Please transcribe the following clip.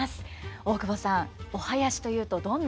大久保さんお囃子というとどんなイメージですか？